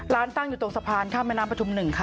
ร้านตั้งอยู่ตรงสะพานข้ามแม่น้ำประชุมหนึ่งค่ะ